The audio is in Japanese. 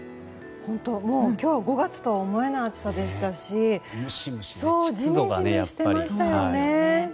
今日５月とは思えない暑さでしたしジメジメしてましたよね。